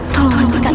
tolong tuhan berikan